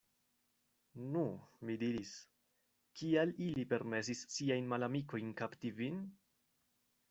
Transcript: Nu, mi diris, Kial ili permesis siajn malamikojn kapti vin?